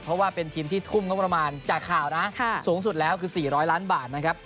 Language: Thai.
เพราะว่าเป็นทีมที่ทุ่มงบประมาณจากข่าวนะสูงสุดแล้วคือ๔๐๐ล้านบาทนะครับ